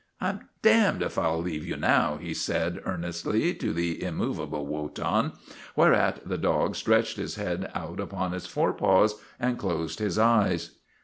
" I 'm d d if I '11 leave you now," he said ear nestly to the immovable Wotan, whereat the dog stretched his head out upon his forepaws and closed his eyes.